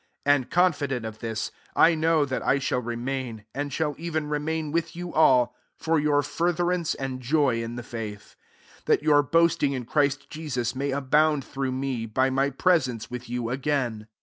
25 And, confident of this, know that I shall remain, and shall even remain with you all, for your furtherance and loy in the faith : 26 that your boasting in Christ Jesus may fibound through me, by my pre puce with you again.